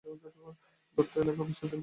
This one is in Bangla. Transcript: দত্ত কলকাতা বিশ্ববিদ্যালয়ে পড়াশোনা করেন।